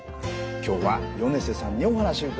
今日は米瀬さんにお話伺いました。